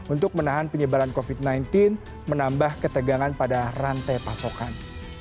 untuk menahan penyebaran covid sembilan belas menambah ketegangan pada rantai pasokan